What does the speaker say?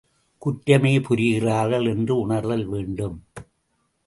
குற்றமே புரிகிறார்கள் என்று உணர்தல் வேண்டும்.